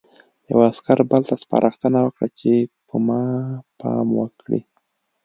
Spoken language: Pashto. یوه عسکر بل ته سپارښتنه وکړه چې په ما پام وکړي